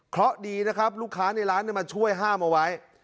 เพราะดีนะครับลูกค้าในร้านมาช่วยห้ามเอาไว้